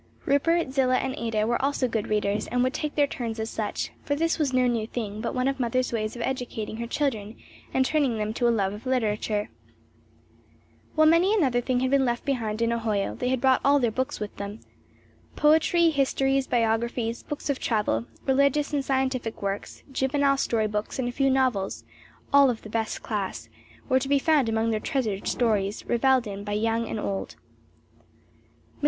Rupert, Zillah and Ada were also good readers, and would take their turns as such; for this was no new thing, but one of the mother's ways of educating her children and training them to a love of literature. While many another thing had been left behind in Ohio, they had brought all their books with them. Poetry, histories, biographies, books of travel, religious and scientific works, juvenile story books and a few novels, all of the best class, were to be found among their treasured stores, reveled in by old and young. Mr.